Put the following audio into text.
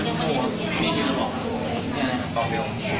กินจริงกว่ามักโรอไม่เคยราบออก